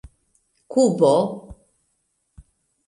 kubo